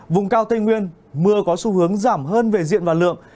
vùng cao tây nguyên mưa có xu hướng giảm hơn về diện và lượng